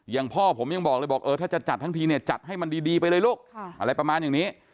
พ่อผมยังบอกเลยบอกเออถ้าจะจัดทั้งทีเนี่ยจัดให้มันดีไปเลยลูกอะไรประมาณอย่างนี้